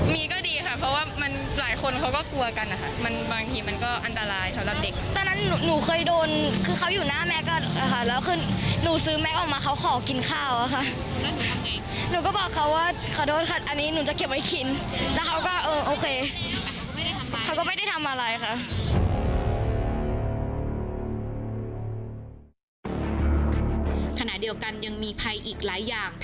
มาตรการที่จะเพิ่มความปลอดภัยให้กับนักเรียนนั้นโรงเทพหานครได้เพิ่มจุดติดตั้งกล้องมงจรปิดจากเทศกิตมาส่องดูแลความปลอดภัยให้กับนักเรียนนั้นโรงเทพหานครได้เพิ่มจุดติดตั้งกล้องมงจรปิดจากเทศกิตมาส่องดูแลความปลอดภัยให้กับนักเรียนนั้นโรงเทพหานครได้เพิ่มจุดติดตั้งกล้